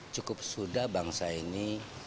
cukup sudah bangsa ini